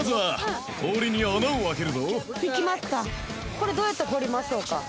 これどうやって掘りましょうか？